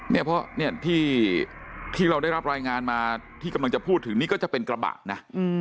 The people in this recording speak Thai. เนี่ยเพราะเนี่ยที่เราได้รับรายงานมาที่กำลังจะพูดถึงนี่ก็จะเป็นกระบะนะ